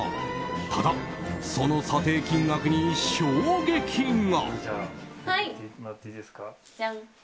ただ、その査定金額に衝撃が。